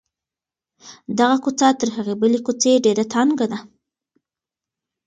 دغه کوڅه تر هغې بلې کوڅې ډېره تنګه ده.